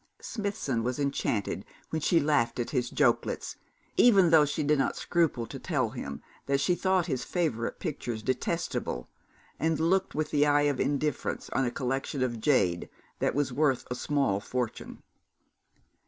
Smithson was enchanted when she laughed at his jokelets, even although she did not scruple to tell him that she thought his favourite pictures detestable, and looked with the eye of indifference on a collection of jade that was worth a small fortune.